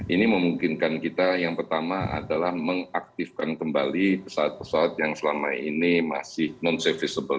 ini memungkinkan kita yang pertama adalah mengaktifkan kembali pesawat pesawat yang selama ini masih non serviceable